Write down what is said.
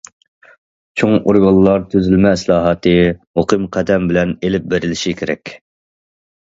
چوڭ ئورگانلار تۈزۈلمە ئىسلاھاتى مۇقىم قەدەم بىلەن ئېلىپ بېرىلىشى كېرەك.